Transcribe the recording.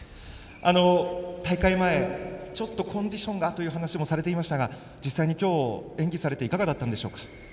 大会前、ちょっとコンディションがという話をされていましたが実際に今日、演技されていかがでしたか。